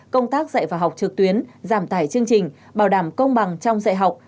công tác dạy và học trực tuyến giảm tải chương trình bảo đảm công bằng trong dạy học